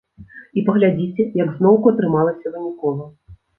І паглядзіце, як зноўку атрымалася вынікова.